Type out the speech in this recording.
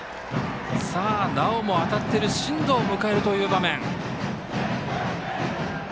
なおも当たっている進藤を迎えるという場面。